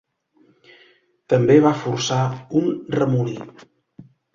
També va forçar un remolí.